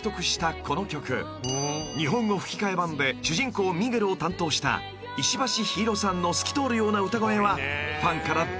［日本語吹き替え版で主人公ミゲルを担当した石橋陽彩さんの透き通るような歌声はファンから大絶賛されました］